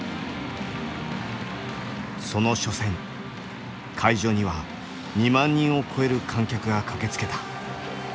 その初戦会場には２万人を超える観客が駆けつけた。